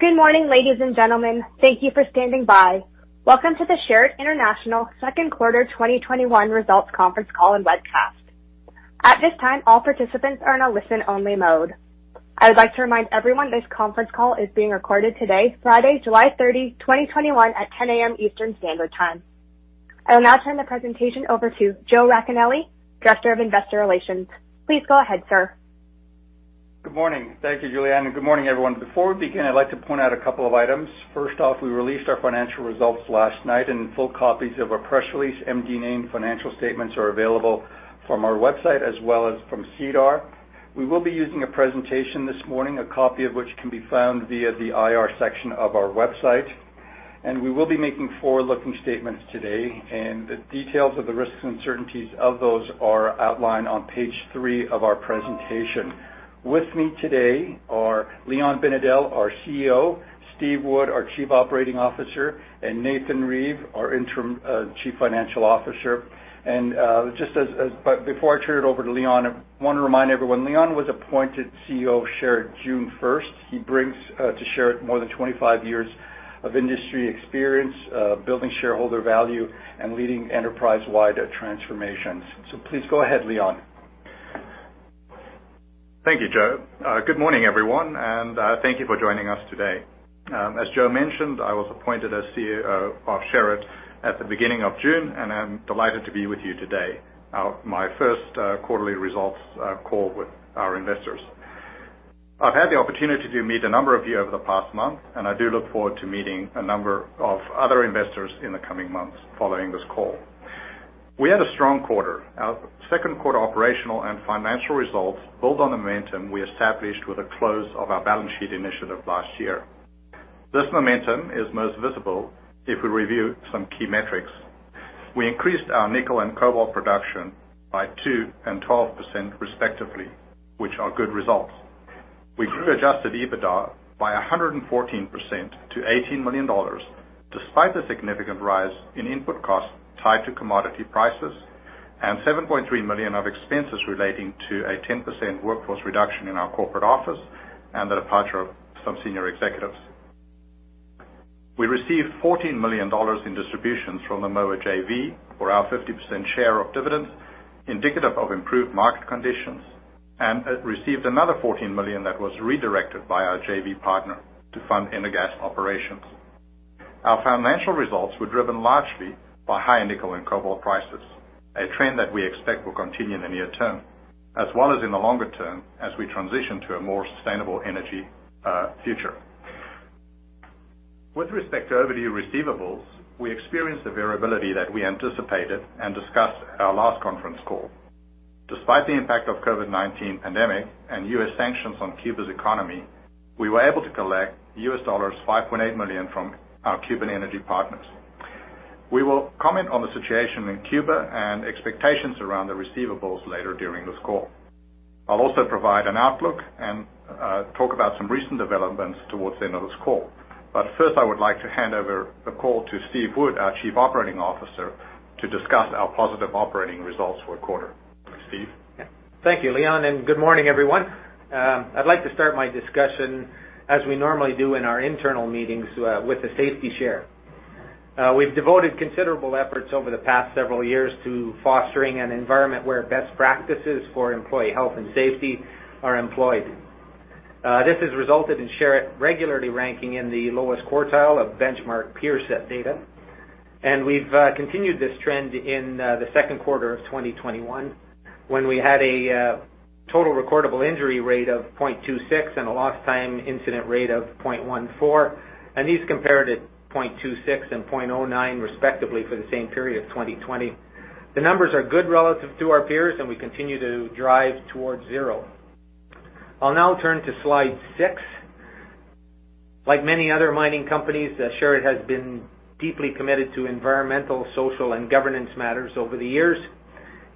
Good morning, ladies and gentlemen. Thank you for standing by. Welcome to the Sherritt International 2nd quarter 2021 results conference call and webcast. At this time, all participants are in a listen-only mode. I would like to remind everyone this conference call is being recorded today, Friday, July 30, 2021, at 10:00 A.M. Eastern Standard Time. I will now turn the presentation over to Joe Racanelli, Director of Investor Relations. Please go ahead, sir. Good morning. Thank you, Julianne, and good morning, everyone. Before we begin, I'd like to point out a couple of items. First off, we released our financial results last night, and full copies of our press release, MD&A, and financial statements are available from our website as well as from SEDAR. We will be using a presentation this morning, a copy of which can be found via the IR section of our website. We will be making forward-looking statements today, and the details of the risks and uncertainties of those are outlined on page three of our presentation. With me today are Leon Binedell, our CEO, Steve Wood, our Chief Operating Officer, and Nathan Reeve, our Interim Chief Financial Officer. Before I turn it over to Leon, I want to remind everyone, Leon was appointed CEO of Sherritt June 1st. He brings to Sherritt more than 25 years of industry experience, building shareholder value and leading enterprise-wide transformations. Please go ahead, Leon. Thank you, Joe. Good morning, everyone, and thank you for joining us today. As Joe mentioned, I was appointed as CEO of Sherritt International at the beginning of June, and I'm delighted to be with you today, my first quarterly results call with our investors. I've had the opportunity to meet a number of you over the past month, and I do look forward to meeting a number of other investors in the coming months following this call. We had a strong quarter. Our second quarter operational and financial results build on the momentum we established with the close of our balance sheet initiative last year. This momentum is most visible if we review some key metrics. We increased our nickel and cobalt production by 2% and 12% respectively, which are good results. We grew Adjusted EBITDA by 114% to $18 million, despite the significant rise in input costs tied to commodity prices and 7.3 million of expenses relating to a 10% workforce reduction in our corporate office and the departure of some senior executives. We received $14 million in distributions from the Moa JV for our 50% share of dividends, indicative of improved market conditions, and received another 14 million that was redirected by our JV partner to fund Energas operations. Our financial results were driven largely by high nickel and cobalt prices, a trend that we expect will continue in the near term, as well as in the longer term as we transition to a more sustainable energy future. With respect to overdue receivables, we experienced the variability that we anticipated and discussed at our last conference call. Despite the impact of COVID-19 pandemic and U.S. sanctions on Cuba's economy, we were able to collect $5.8 million from our Cuban energy partners. We will comment on the situation in Cuba and expectations around the receivables later during this call. I'll also provide an outlook and talk about some recent developments towards the end of this call. First, I would like to hand over the call to Steve Wood, our Chief Operating Officer, to discuss our positive operating results for a quarter. Steve? Thank you, Leon. Good morning, everyone. I'd like to start my discussion as we normally do in our internal meetings, with a safety share. We've devoted considerable efforts over the past several years to fostering an environment where best practices for employee health and safety are employed. This has resulted in Sherritt regularly ranking in the lowest quartile of benchmark peer set data. We've continued this trend in the second quarter of 2021, when we had a total recordable injury rate of 0.26 and a lost time incident rate of 0.14, and these compared to 0.26 and 0.09, respectively, for the same period of 2020. The numbers are good relative to our peers, and we continue to drive towards zero. I'll now turn to slide six. Like many other mining companies, Sherritt has been deeply committed to environmental, social, and governance matters over the years.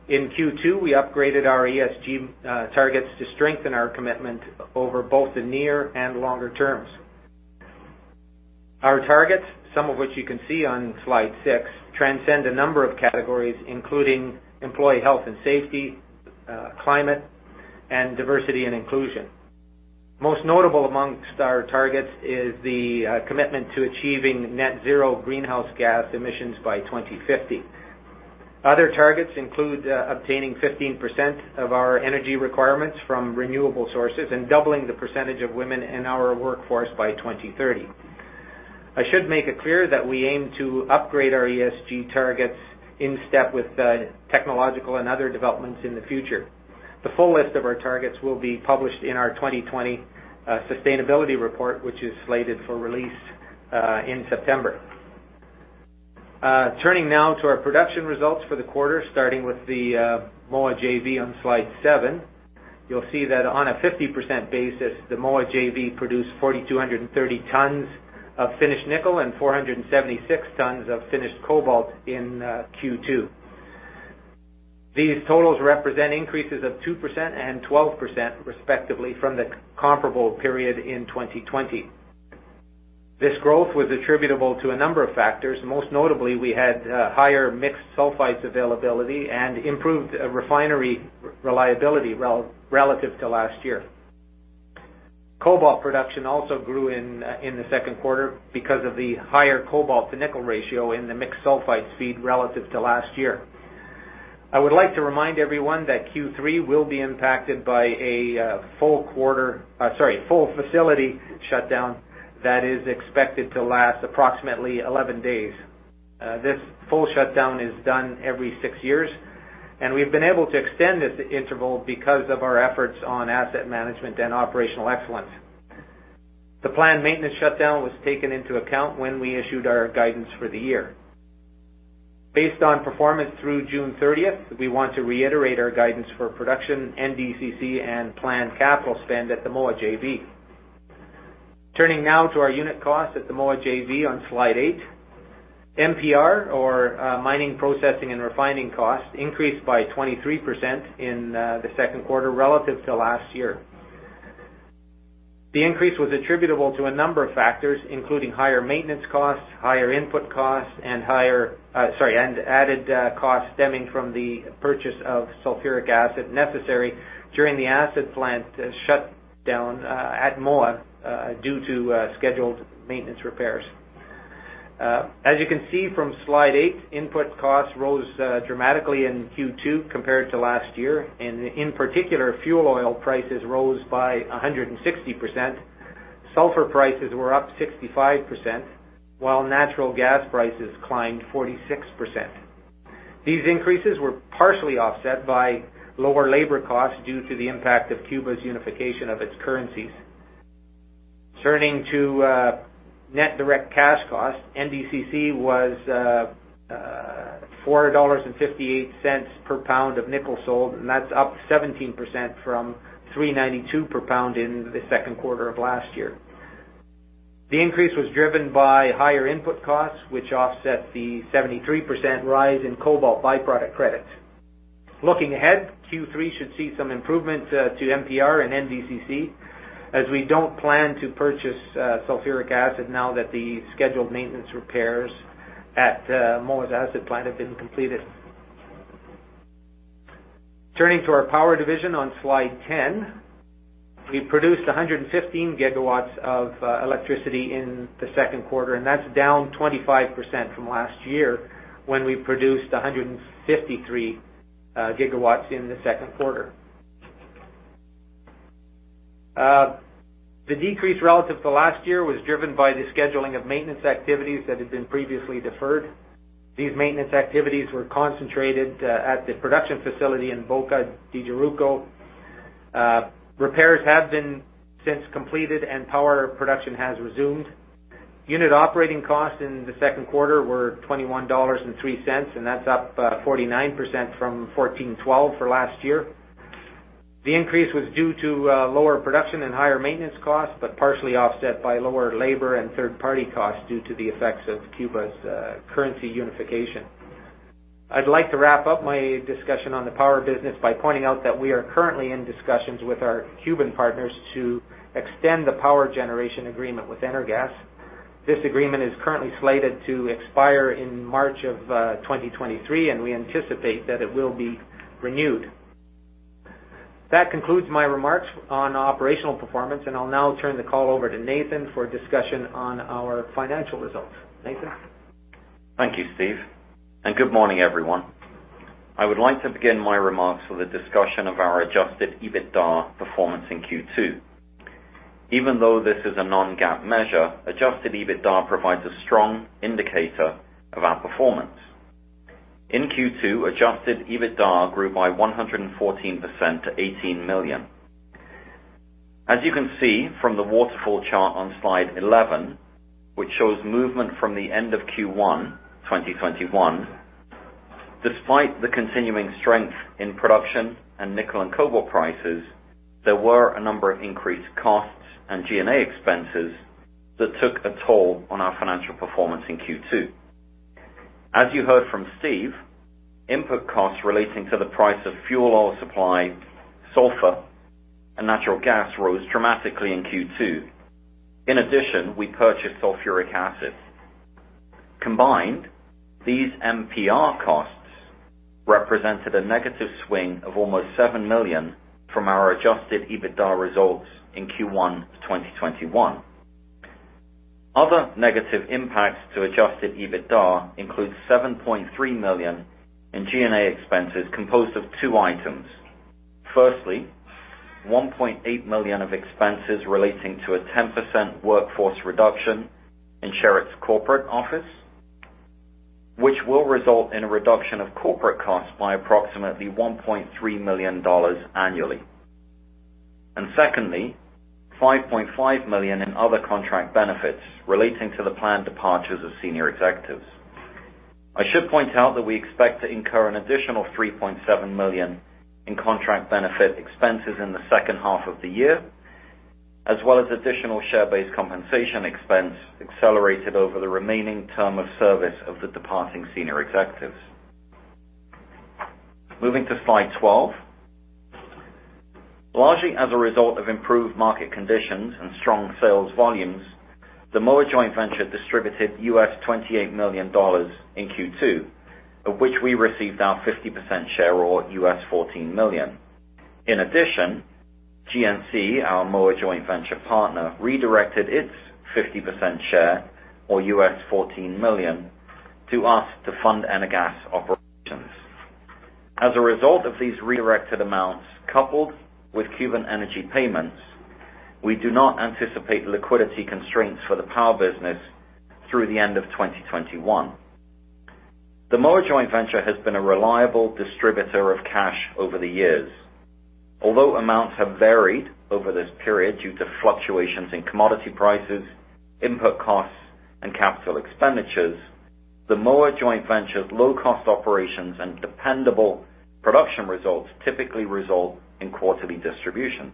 In Q2, we upgraded our ESG targets to strengthen our commitment over both the near and longer terms. Our targets, some of which you can see on slide six, transcend a number of categories, including employee health and safety, climate, and diversity and inclusion. Most notable amongst our targets is the commitment to achieving net zero greenhouse gas emissions by 2050. Other targets include obtaining 15% of our energy requirements from renewable sources and doubling the percentage of women in our workforce by 2030. I should make it clear that we aim to upgrade our ESG targets in step with the technological and other developments in the future. The full list of our targets will be published in our 2020 sustainability report, which is slated for release in September. Turning now to our production results for the quarter, starting with the Moa JV on slide seven. You'll see that on a 50% basis, the Moa JV produced 4,230 tons of finished nickel and 476 tons of finished cobalt in Q2. These totals represent increases of 2% and 12%, respectively, from the comparable period in 2020. This growth was attributable to a number of factors. Most notably, we had higher mixed sulfides availability and improved refinery reliability relative to last year. Cobalt production also grew in the second quarter because of the higher cobalt to nickel ratio in the mixed sulfides feed relative to last year. I would like to remind everyone that Q3 will be impacted by a full facility shutdown that is expected to last approximately 11 days. This full shutdown is done every six years, and we've been able to extend this interval because of our efforts on asset management and operational excellence. The planned maintenance shutdown was taken into account when we issued our guidance for the year. Based on performance through June 30th, we want to reiterate our guidance for production, NDCC, and planned capital spend at the Moa JV. Turning now to our unit cost at the Moa JV on slide eight. MPR or mining, processing, and refining costs increased by 23% in the second quarter relative to last year. The increase was attributable to a number of factors, including higher maintenance costs, higher input costs, and added costs stemming from the purchase of sulfuric acid necessary during the acid plant shutdown at Moa, due to scheduled maintenance repairs. As you can see from slide eight, input costs rose dramatically in Q2 compared to last year, and in particular, fuel oil prices rose by 160%. Sulfur prices were up 65%, while natural gas prices climbed 46%. These increases were partially offset by lower labor costs due to the impact of Cuba's unification of its currencies. Turning to net direct cash costs. NDCC was $ 4.58 per pound of nickel sold. That's up 17% from $3.92 per pound in the second quarter of last year. The increase was driven by higher input costs, which offset the 73% rise in cobalt byproduct credits. Looking ahead, Q3 should see some improvement to MPR and NDCC as we don't plan to purchase sulfuric acid now that the scheduled maintenance repairs at Moa's acid plant have been completed. Turning to our power division on slide 10. We produced 115 GW of electricity in the second quarter. That's down 25% from last year when we produced 153 GW in the second quarter. The decrease relative to last year was driven by the scheduling of maintenance activities that had been previously deferred. These maintenance activities were concentrated at the production facility in Boca de Jaruco. Repairs have been since completed and power production has resumed. Unit operating costs in the second quarter were 21.03 dollars, and that's up 49% from 14.12 for last year. The increase was due to lower production and higher maintenance costs, but partially offset by lower labor and third-party costs due to the effects of Cuba's currency unification. I'd like to wrap up my discussion on the power business by pointing out that we are currently in discussions with our Cuban partners to extend the power generation agreement with Energas. This agreement is currently slated to expire in March of 2023, and we anticipate that it will be renewed. That concludes my remarks on operational performance, and I'll now turn the call over to Nathan for a discussion on our financial results. Nathan? Thank you, Steve, and good morning, everyone. I would like to begin my remarks with a discussion of our Adjusted EBITDA performance in Q2. Even though this is a non-GAAP measure, Adjusted EBITDA provides a strong indicator of our performance. In Q2, Adjusted EBITDA grew by 114% to 18 million. As you can see from the waterfall chart on slide 11, which shows movement from the end of Q1 2021, despite the continuing strength in production and nickel and cobalt prices, there were a number of increased costs and G&A expenses that took a toll on our financial performance in Q2. As you heard from Steve, input costs relating to the price of fuel oil supply, sulfur, and natural gas rose dramatically in Q2. In addition, we purchased sulfuric acid. Combined, these MPR costs represented a negative swing of almost 7 million from our Adjusted EBITDA results in Q1 2021. Other negative impacts to Adjusted EBITDA include 7.3 million in G&A expenses composed of two items. Firstly, 1.8 million of expenses relating to a 10% workforce reduction in Sherritt's corporate office, which will result in a reduction of corporate costs by approximately 1.3 million dollars annually. Secondly, 5.5 million in other contract benefits relating to the planned departures of senior executives. I should point out that we expect to incur an additional 3.7 million in contract benefit expenses in the second half of the year, as well as additional share-based compensation expense accelerated over the remaining term of service of the departing senior executives. Moving to slide 12. Largely as a result of improved market conditions and strong sales volumes, the Moa joint venture distributed US $28 million in Q2, of which we received our 50% share, or US $14 million. In addition, GNC, our Moa JV partner, redirected its 50% share, or $14 million, to us to fund Energas operations. As a result of these redirected amounts, coupled with Cuban energy payments, we do not anticipate liquidity constraints for the power business through the end of 2021. The Moa JV has been a reliable distributor of cash over the years. Although amounts have varied over this period due to fluctuations in commodity prices, input costs, and capital expenditures, the Moa JV's low-cost operations and dependable production results typically result in quarterly distributions.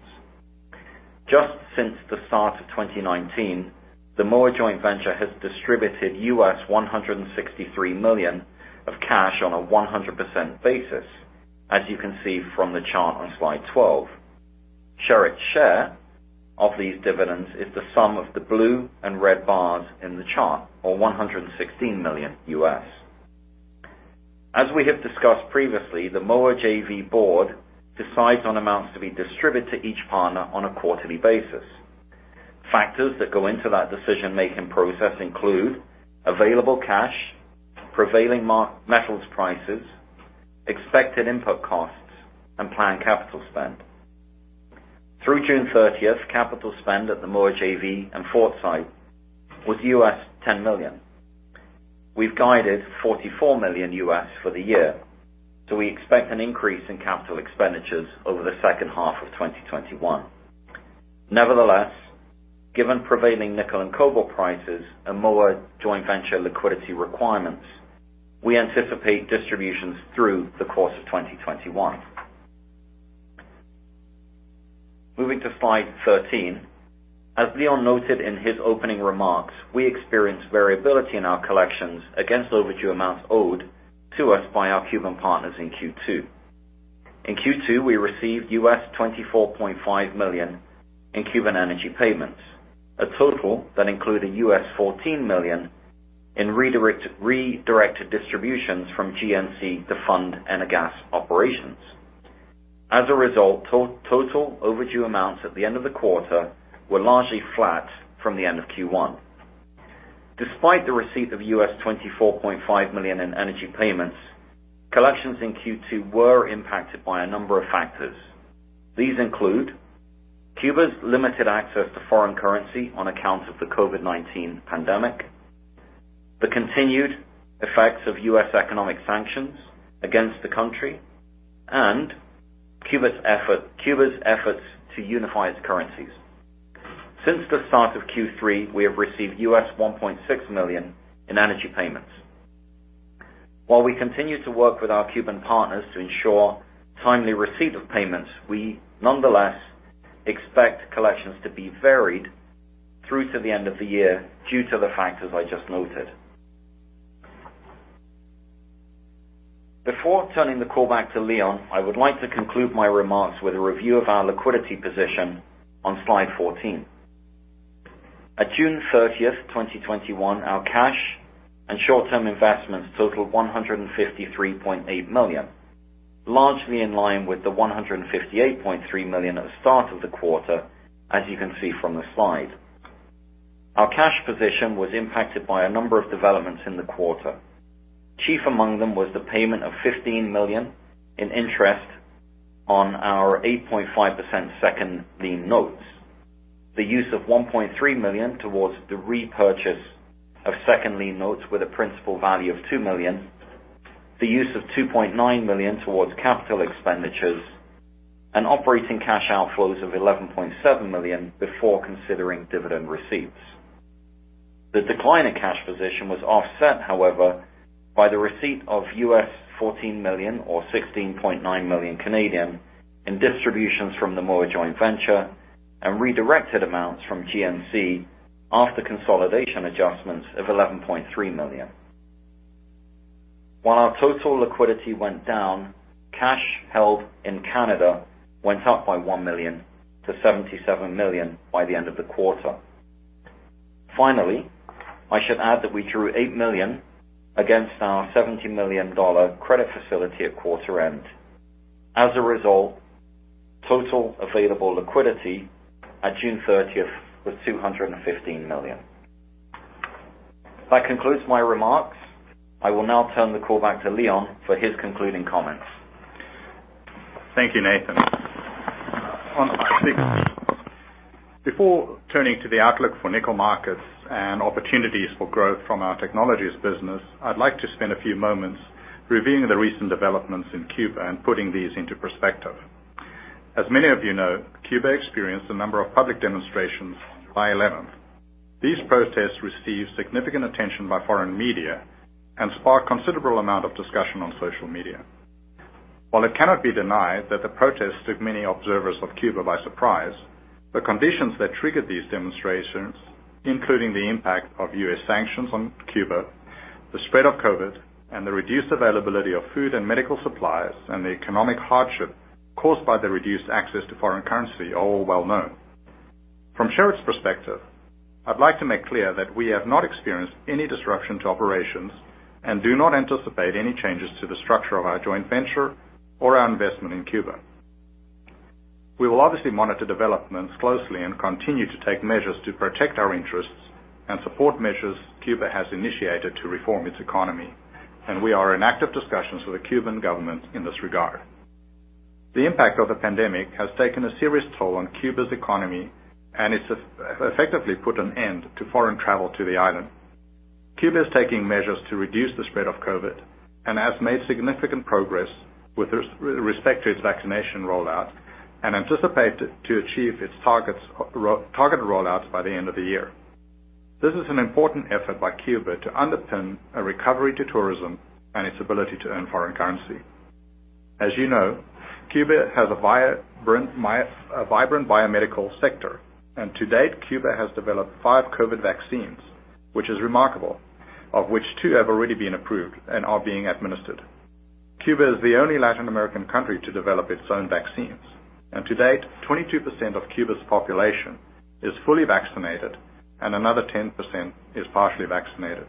Just since the start of 2019, the Moa JV has distributed $163 million of cash on a 100% basis, as you can see from the chart on slide 12. Sherritt's share of these dividends is the sum of the blue and red bars in the chart, or $116 million. As we have discussed previously, the Moa JV board decides on amounts to be distributed to each partner on a quarterly basis. Factors that go into that decision-making process include available cash, prevailing metals prices, expected input costs, and planned capital spend. Through June 30th, capital spend at the Moa JV and Fort Site was $10 million. We've guided $44 million for the year, so we expect an increase in capital expenditures over the second half of 2021. Nevertheless, given prevailing nickel and cobalt prices and Moa joint venture liquidity requirements, we anticipate distributions through the course of 2021. Moving to slide 13. As Leon noted in his opening remarks, we experienced variability in our collections against overdue amounts owed to us by our Cuban partners in Q2. In Q2, we received US $24.5 million in Cuban energy payments, a total that included US $14 million in redirected distributions from GNC to fund Energas operations. As a result, total overdue amounts at the end of the quarter were largely flat from the end of Q1. Despite the receipt of US $24.5 million in energy payments, collections in Q2 were impacted by a number of factors. These include Cuba's limited access to foreign currency on account of the COVID-19 pandemic, the continued effects of U.S. economic sanctions against the country, and Cuba's efforts to unify its currencies. Since the start of Q3, we have received US $1.6 million in energy payments. While we continue to work with our Cuban partners to ensure timely receipt of payments, we nonetheless expect collections to be varied through to the end of the year due to the factors I just noted. Before turning the call back to Leon, I would like to conclude my remarks with a review of our liquidity position on slide 14. At June 30th, 2021, our cash and short-term investments totaled 153.8 million, largely in line with the 158.3 million at the start of the quarter, as you can see from the slide. Our cash position was impacted by a number of developments in the quarter. Chief among them was the payment of 15 million in interest on our 8.5% second lien notes, the use of 1.3 million towards the repurchase of second lien notes with a principal value of 2 million, the use of 2.9 million towards capital expenditures, and operating cash outflows of 11.7 million before considering dividend receipts. The decline in cash position was offset, however, by the receipt of $14 million or 16.9 million in distributions from the Moa Joint Venture and redirected amounts from GNC after consolidation adjustments of 11.3 million. While our total liquidity went down, cash held in Canada went up by 1 million to 77 million by the end of the quarter. I should add that we drew 8 million against our 70 million dollar credit facility at quarter end. As a result, total available liquidity at June 30th was 215 million. That concludes my remarks. I will now turn the call back to Leon for his concluding comments. Thank you, Nathan. Before turning to the outlook for nickel markets and opportunities for growth from our technologies business, I will like to spend a few moments reviewing the recent developments in Cuba and putting these into perspective. As many of you know, Cuba experienced a number of public demonstrations July 11th. These protests received significant attention by foreign media and sparked considerable amount of discussion on social media. While it cannot be denied that the protests took many observers of Cuba by surprise, the conditions that triggered these demonstrations, including the impact of U.S. sanctions on Cuba, the spread of COVID, and the reduced availability of food and medical supplies, and the economic hardship caused by the reduced access to foreign currency are all well known. From Sherritt's perspective, I'd like to make clear that we have not experienced any disruption to operations and do not anticipate any changes to the structure of our joint venture or our investment in Cuba. We will obviously monitor developments closely and continue to take measures to protect our interests and support measures Cuba has initiated to reform its economy, and we are in active discussions with the Cuban government in this regard. The impact of the pandemic has taken a serious toll on Cuba's economy and it's effectively put an end to foreign travel to the island. Cuba is taking measures to reduce the spread of COVID and has made significant progress with respect to its vaccination rollout and anticipate to achieve its targeted rollouts by the end of the year. This is an important effort by Cuba to underpin a recovery to tourism and its ability to earn foreign currency. As you know, Cuba has a vibrant biomedical sector and to date, Cuba has developed five COVID vaccines, which is remarkable, of which two have already been approved and are being administered. Cuba is the only Latin American country to develop its own vaccines, and to date, 22% of Cuba's population is fully vaccinated and another 10% is partially vaccinated.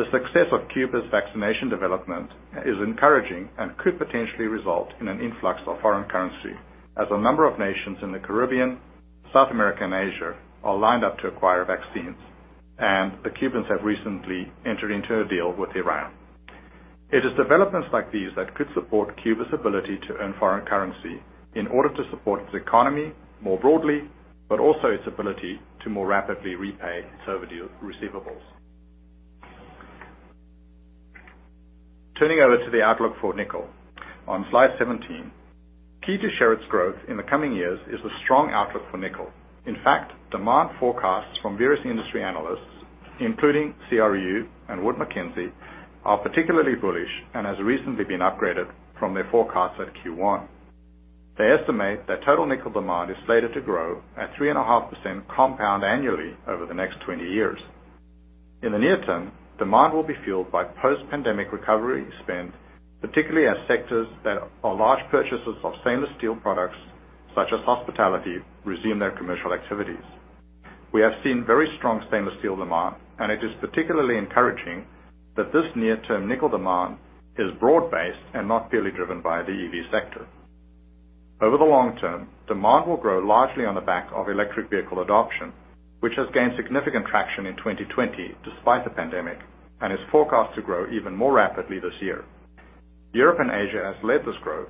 The success of Cuba's vaccination development is encouraging and could potentially result in an influx of foreign currency as a number of nations in the Caribbean, South America, and Asia are lined up to acquire vaccines, and the Cubans have recently entered into a deal with Iran. It is developments like these that could support Cuba's ability to earn foreign currency in order to support its economy more broadly, but also its ability to more rapidly repay its overdue receivables. Turning over to the outlook for nickel on slide 17. Key to Sherritt's growth in the coming years is the strong outlook for nickel. In fact, demand forecasts from various industry analysts, including CRU and Wood Mackenzie, are particularly bullish and has recently been upgraded from their forecasts at Q1. They estimate that total nickel demand is slated to grow at 3.5% compound annually over the next 20 years. In the near term, demand will be fueled by post-pandemic recovery spend, particularly as sectors that are large purchasers of stainless steel products, such as hospitality, resume their commercial activities. We have seen very strong stainless steel demand, and it is particularly encouraging that this near-term nickel demand is broad-based and not purely driven by the EV sector. Over the long term, demand will grow largely on the back of electric vehicle adoption, which has gained significant traction in 2020 despite the pandemic, and is forecast to grow even more rapidly this year. Europe and Asia has led this growth,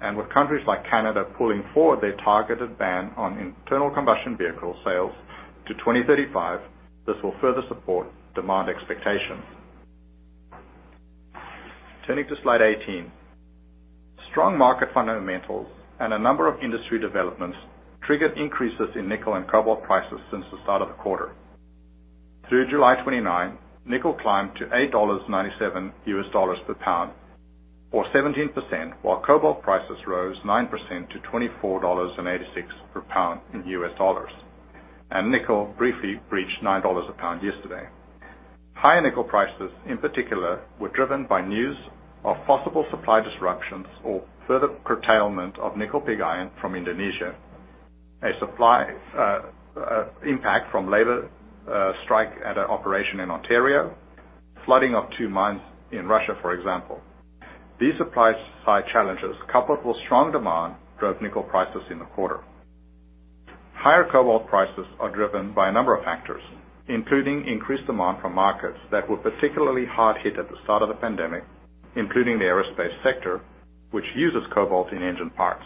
and with countries like Canada pulling forward their targeted ban on internal combustion vehicle sales to 2035, this will further support demand expectations. Turning to slide 18. Strong market fundamentals and a number of industry developments triggered increases in nickel and cobalt prices since the start of the quarter. Through July 29, nickel climbed to 8.97 US dollar per pound or 17%, while cobalt prices rose 9% to $24.86 per pound in US dollars. Nickel briefly breached 9 dollars a pound yesterday. Higher nickel prices, in particular, were driven by news of possible supply disruptions or further curtailment of nickel pig iron from Indonesia, a supply impact from labor strike at an operation in Ontario, flooding of two mines in Russia, for example. These supply-side challenges, coupled with strong demand, drove nickel prices in the quarter. Higher cobalt prices are driven by a number of factors, including increased demand from markets that were particularly hard hit at the start of the pandemic, including the aerospace sector, which uses cobalt in engine parts.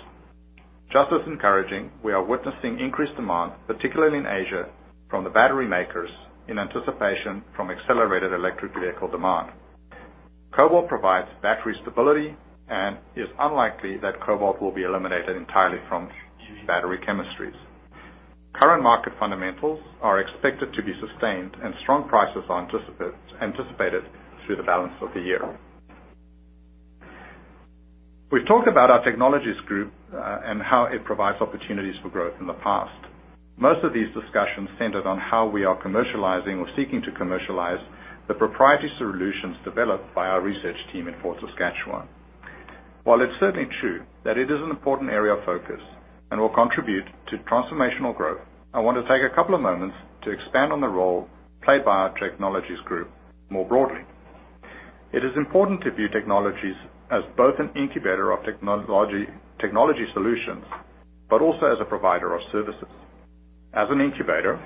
Just as encouraging, we are witnessing increased demand, particularly in Asia, from the battery makers in anticipation from accelerated electric vehicle demand. Cobalt provides battery stability and is unlikely that cobalt will be eliminated entirely from battery chemistries. Current market fundamentals are expected to be sustained and strong prices are anticipated through the balance of the year. We've talked about our technologies group, and how it provides opportunities for growth in the past. Most of these discussions centered on how we are commercializing or seeking to commercialize the proprietary solutions developed by our research team in Fort Saskatchewan. While it's certainly true that it is an important area of focus and will contribute to transformational growth, I want to take a couple of moments to expand on the role played by our technologies group more broadly. It is important to view technologies as both an incubator of technology solutions, but also as a provider of services. As an incubator,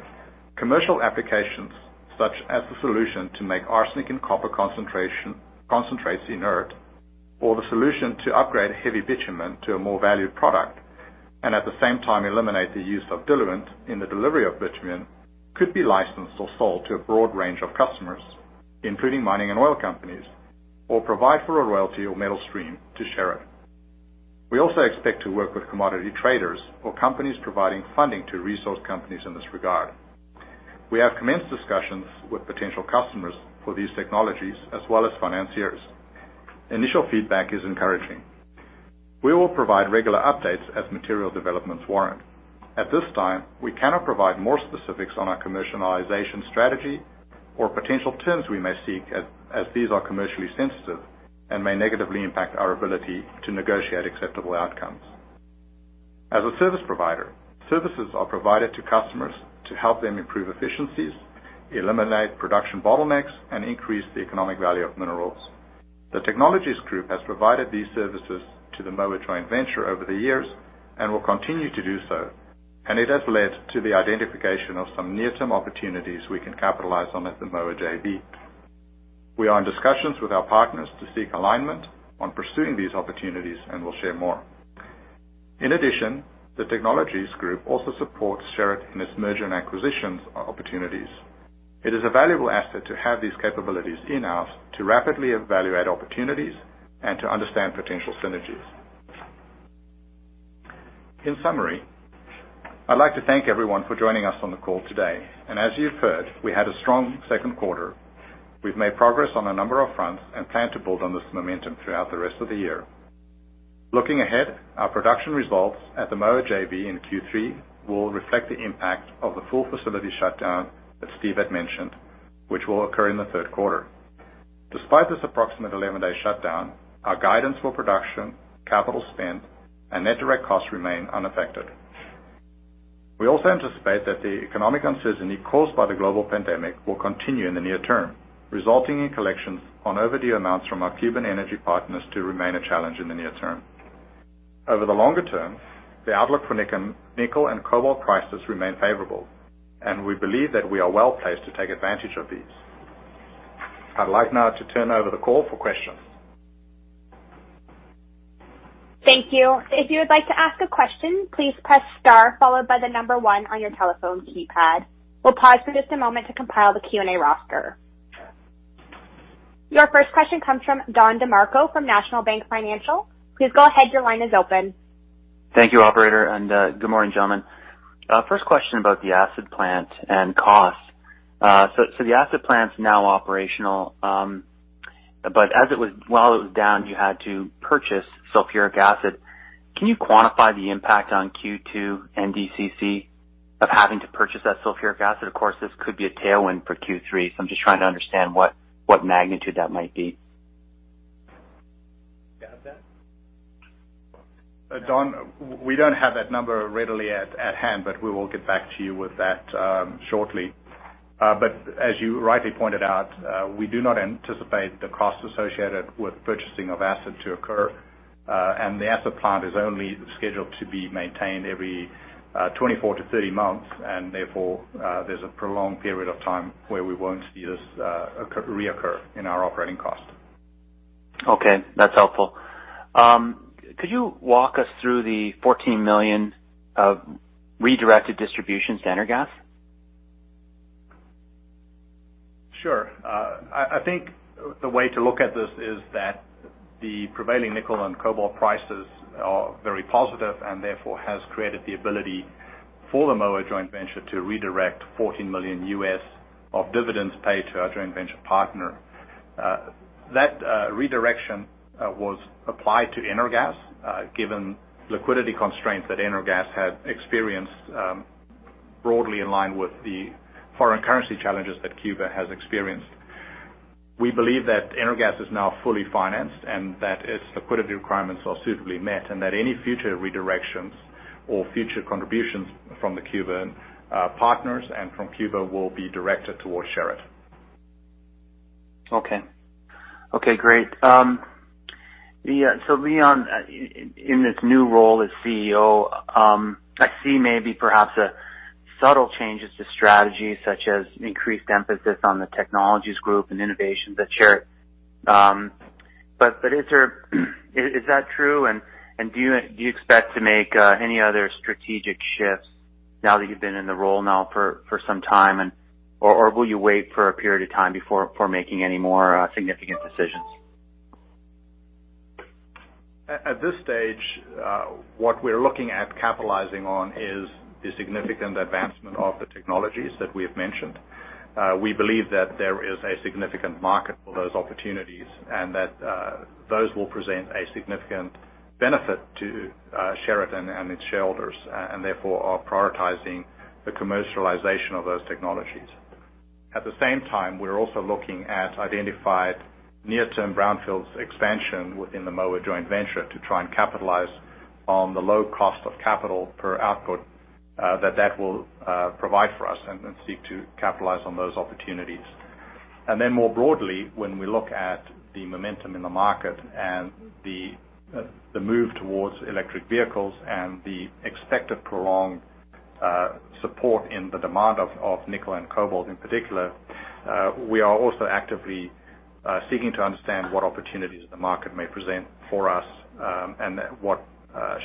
commercial applications such as the solution to make arsenic and copper concentrates inert, or the solution to upgrade heavy bitumen to a more valued product and at the same time eliminate the use of diluent in the delivery of bitumen, could be licensed or sold to a broad range of customers, including mining and oil companies, or provide for a royalty or metal stream to Sherritt. We also expect to work with commodity traders or companies providing funding to resource companies in this regard. We have commenced discussions with potential customers for these technologies as well as financiers. Initial feedback is encouraging. We will provide regular updates as material developments warrant. At this time, we cannot provide more specifics on our commercialization strategy or potential terms we may seek as these are commercially sensitive and may negatively impact our ability to negotiate acceptable outcomes. As a service provider, services are provided to customers to help them improve efficiencies, eliminate production bottlenecks, and increase the economic value of minerals. The technologies group has provided these services to the Moa JV over the years and will continue to do so, and it has led to the identification of some near-term opportunities we can capitalize on at the Moa JV. We are in discussions with our partners to seek alignment on pursuing these opportunities and will share more. In addition, the technologies group also supports Sherritt in its merger and acquisitions opportunities. It is a valuable asset to have these capabilities in-house to rapidly evaluate opportunities and to understand potential synergies. In summary, I'd like to thank everyone for joining us on the call today, and as you've heard, we had a strong second quarter. We've made progress on a number of fronts and plan to build on this momentum throughout the rest of the year. Looking ahead, our production results at the Moa JV in Q3 will reflect the impact of the full facility shutdown that Steve had mentioned, which will occur in the third quarter. Despite this approximate 11-day shutdown, our guidance for production, capital spend, and net direct costs remain unaffected. We also anticipate that the economic uncertainty caused by the global pandemic will continue in the near term, resulting in collections on overdue amounts from our Cuban energy partners to remain a challenge in the near term. Over the longer term, the outlook for nickel and cobalt prices remain favorable, and we believe that we are well-placed to take advantage of these. I'd like now to turn over the call for questions. Thank you. Your first question comes from Don DeMarco from National Bank Financial. Thank you, operator, and good morning, gentlemen. First question about the acid plant and cost. The acid plant is now operational. While it was down, you had to purchase sulfuric acid. Can you quantify the impact on Q2 NDCC of having to purchase that sulfuric acid? This could be a tailwind for Q3, so I'm just trying to understand what magnitude that might be. Don, we don't have that number readily at hand. We will get back to you with that shortly. As you rightly pointed out, we do not anticipate the cost associated with purchasing of acid to occur. The acid plant is only scheduled to be maintained every 24 to 30 months. Therefore, there's a prolonged period of time where we won't see this reoccur in our operating cost. Okay. That's helpful. Could you walk us through the 14 million of redirected distributions to Energas? Sure. I think the way to look at this is that the prevailing nickel and cobalt prices are very positive, and therefore, have created the ability for the Moa Joint Venture to redirect $14 million US of dividends paid to our joint venture partner. That redirection was applied to Energas given liquidity constraints that Energas had experienced broadly in line with the foreign currency challenges that Cuba has experienced. We believe that Energas is now fully financed and that its liquidity requirements are suitably met, and that any future redirections or future contributions from the Cuban partners and from Cuba will be directed towards Sherritt. Okay, great. Leon, in this new role as CEO, I see maybe perhaps subtle changes to strategy, such as increased emphasis on the technologies group and innovation at Sherritt. Is that true? Do you expect to make any other strategic shifts now that you've been in the role for some time? Will you wait for a period of time before making any more significant decisions? At this stage, what we're looking at capitalizing on is the significant advancement of the technologies that we have mentioned. We believe that there is a significant market for those opportunities and that those will present a significant benefit to Sherritt and its shareholders, and therefore are prioritizing the commercialization of those technologies. At the same time, we're also looking at identified near-term brownfields expansion within the Moa Joint Venture to try and capitalize on the low cost of capital per output that that will provide for us and seek to capitalize on those opportunities. More broadly, when we look at the momentum in the market and the move towards electric vehicles and the expected prolonged support in the demand of nickel and cobalt in particular, we are also actively seeking to understand what opportunities the market may present for us, and what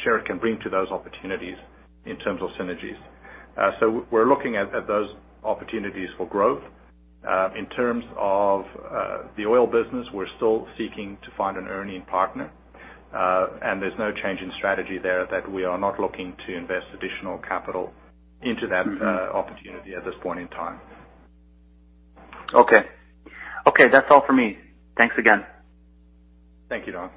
Sherritt can bring to those opportunities in terms of synergies. We're looking at those opportunities for growth. In terms of the oil business, we're still seeking to find an earnin partner. There's no change in strategy there that we are not looking to invest additional capital into that opportunity at this point in time. Okay. That's all for me. Thanks again. Thank you, Don.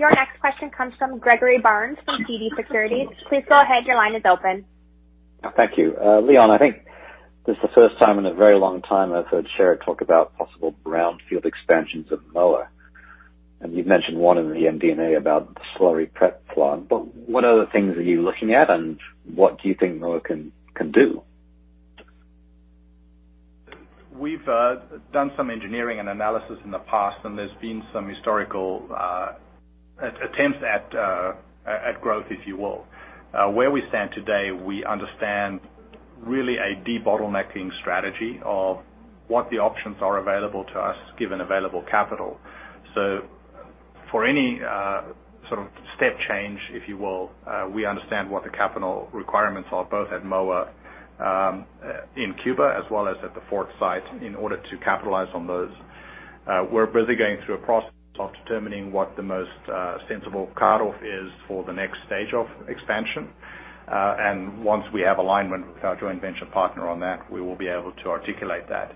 Your next question comes from Greg Barnes from TD Securities. Please go ahead. Your line is open. Thank you. Leon, I think this is the first time in a very long time I've heard Sherritt talk about possible brownfield expansions of Moa. You have mentioned one in the MD&A about the slurry prep plant. What other things are you looking at, and what do you think Moa can do? We've done some engineering and analysis in the past, and there's been some historical attempts at growth, if you will. Where we stand today, we understand really a debottlenecking strategy of what the options are available to us given available capital. For any sort of step change, if you will, we understand what the capital requirements are, both at Moa in Cuba as well as at the Fort Site in order to capitalize on those. We're busy going through a process of determining what the most sensible cutoff is for the next stage of expansion. Once we have alignment with our joint venture partner on that, we will be able to articulate that.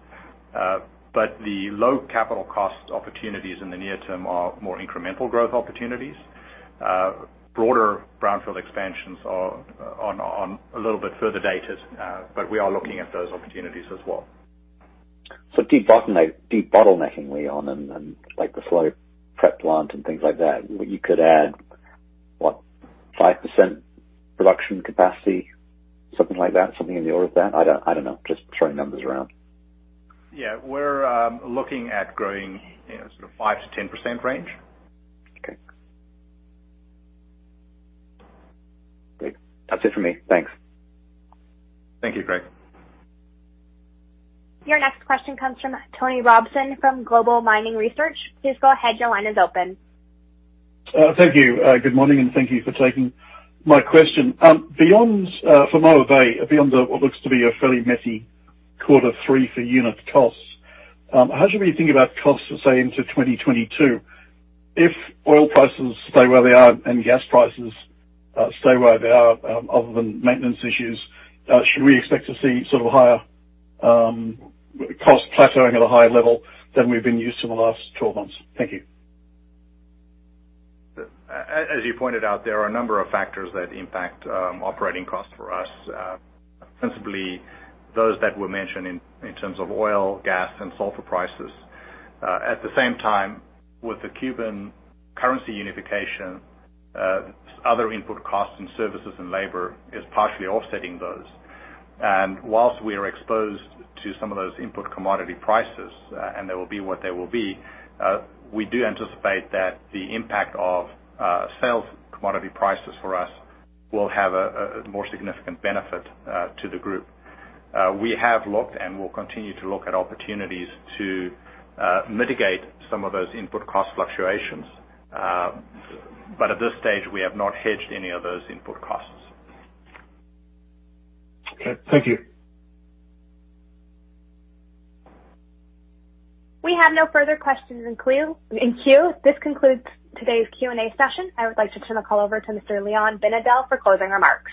The low capital cost opportunities in the near term are more incremental growth opportunities. Broader brownfield expansions are on a little bit further dated, but we are looking at those opportunities as well. Debottlenecking, Leon, and like the slurry prep plant and things like that, you could add, what, 5% production capacity? Something like that? Something in the order of that? I don't know. Just throwing numbers around. Yeah. We're looking at growing sort of 5%-10% range. Okay. Great. That's it for me. Thanks. Thank you, Greg. Your next question comes from Tony Robson from Global Mining Research. Please go ahead. Your line is open. Thank you. Good morning, and thank you for taking my question. For Moa JV, beyond what looks to be a fairly messy quarter three for unit costs, how should we think about costs, let's say, into 2022? If oil prices stay where they are and gas prices stay where they are, other than maintenance issues, should we expect to see sort of higher costs plateauing at a higher level than we've been used to in the last 12 months? Thank you. As you pointed out, there are a number of factors that impact operating costs for us. Sensibly, those that were mentioned in terms of oil, gas, and sulfur prices. At the same time, with the Cuban currency unification, other input costs and services and labor is partially offsetting those. While we are exposed to some of those input commodity prices, and they will be what they will be, we do anticipate that the impact of sales commodity prices for us will have a more significant benefit to the group. We have looked and will continue to look at opportunities to mitigate some of those input cost fluctuations. At this stage, we have not hedged any of those input costs. Okay. Thank you. We have no further questions in queue. This concludes today's Q&A session. I would like to turn the call over to Mr. Leon Binedell for closing remarks.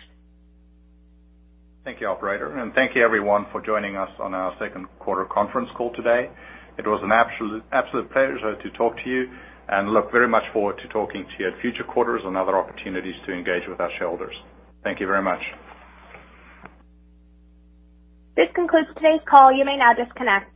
Thank you, operator, and thank you everyone for joining us on our second quarter conference call today. It was an absolute pleasure to talk to you, and look very much forward to talking to you at future quarters and other opportunities to engage with our shareholders. Thank you very much. This concludes today's call. You may now disconnect.